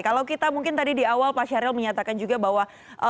kalau kita mungkin tadi di awal pak syahril menyatakan juga bahwa